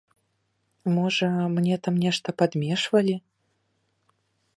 Можа, мне там нешта падмешвалі?